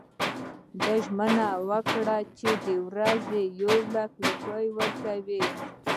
ده ژمنه کړې چې د ورځي یو لک روپۍ ورکوي.